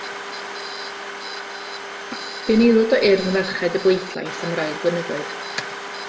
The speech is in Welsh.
Bu'n aelod o Urdd Merched y Bleidlais am rai blynyddoedd.